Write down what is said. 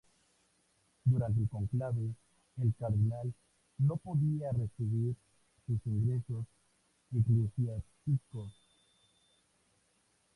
Durante el cónclave, el cardenal no podía recibir sus ingresos eclesiásticos.